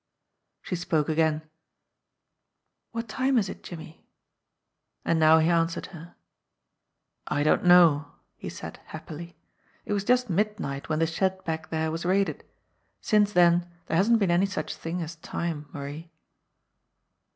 She spoke again: "What time is it, Jimmie?" And now he answered her. "I don't know," he said happily. "It was just midnight when the shed back there was raided. Since then there hasn't been any such thing as time, Marie."